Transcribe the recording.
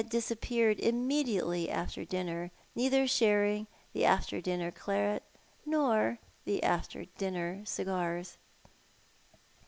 '^appeared immediately after dinner, neither sharing the after dinner claret nor tho after dinner cigars.